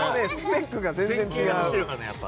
スペックが全然違う。